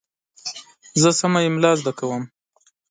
زه سمه املا زده کوم.